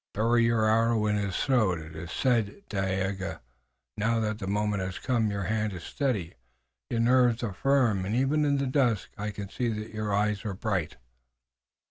Bury your arrow in his throat. It is as I said, Dagaeoga. Now that the moment has come your hand is steady, your nerves are firm, and even in the dusk I can see that your eyes are bright."